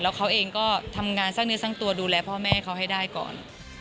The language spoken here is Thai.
เขาเองก็ทำงานสร้างเนื้อสร้างตัวดูแลพ่อแม่เขาให้ได้ก่อน